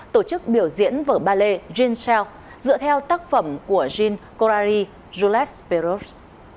tổ chức biểu diễn vở ballet jean shell dựa theo tác phẩm của jean corary jules perrault